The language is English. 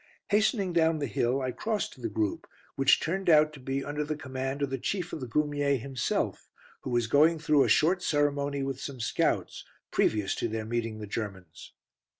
Hastening down the hill, I crossed to the group, which turned out to be under the command of the Chief of the Goumiers himself, who was going through a short ceremony with some scouts, previous to their meeting the Germans.